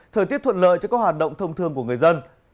thời tiết thuận lợi cho các hoạt động thông thương của người dân